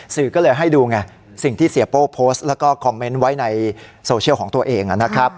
สื่อก็เลยให้ดูไงสิ่งที่เสียโป้โพสต์แล้วก็คอมเมนต์ไว้ในโซเชียลของตัวเองนะครับ